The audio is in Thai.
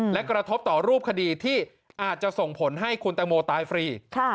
และกระทบต่อรูปคดีที่อาจจะส่งผลให้คุณตังโมตายฟรี